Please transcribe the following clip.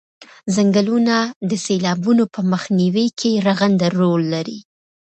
څنګلونه د سیلابونو په مخنیوي کې رغنده رول لري